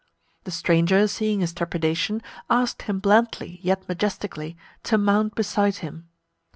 The stranger, seeing his trepidation, asked him blandly, yet majestically, to mount beside him.